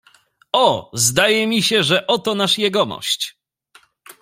"O, zdaje mi się, że oto nasz jegomość!"